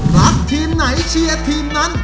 รักทีมไหนเชียร์ทีมนั้น